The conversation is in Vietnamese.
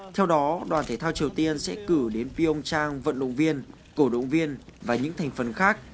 theo đó đoàn thể thao triều tiên sẽ cử đến pion trang vận động viên cổ động viên và những thành phần khác